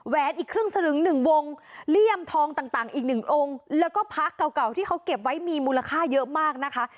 อีกครึ่งสลึงหนึ่งวงเลี่ยมทองต่างอีกหนึ่งองค์แล้วก็พักเก่าที่เขาเก็บไว้มีมูลค่าเยอะมากนะคะ